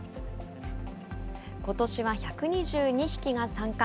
ことしは１２２匹が参加。